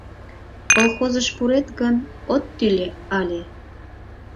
Колхозыш пурет гын, от тӱлӧ ыле.